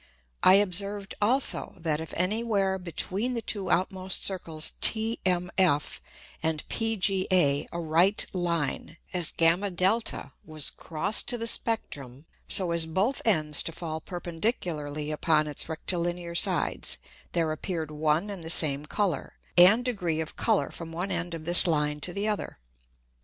I observed also, that if any where between the two outmost Circles TMF and PGA a Right Line, as [Greek: gd], was cross to the Spectrum, so as both Ends to fall perpendicularly upon its Rectilinear Sides, there appeared one and the same Colour, and degree of Colour from one End of this Line to the other.